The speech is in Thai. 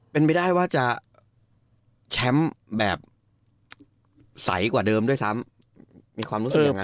เป็นไปได้ว่าจะแชมป์แบบใสกว่าเดิมด้วยซ้ำมีความรู้สึกยังไง